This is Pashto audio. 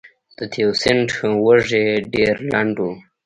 د تیوسینټ وږی ډېر لنډ و